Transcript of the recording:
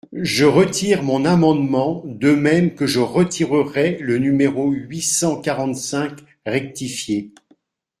Je retire mon amendement, de même que je retirerai le numéro huit cent quarante-cinq rectifié.